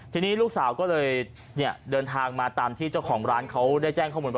ทีนี้ลูกสาวก็เลยเดินทางมาตามที่เจ้าของร้านเขาได้แจ้งข้อมูลว่า